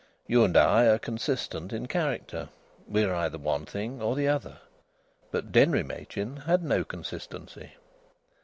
You and I are consistent in character; we are either one thing or the other but Denry Machin had no consistency.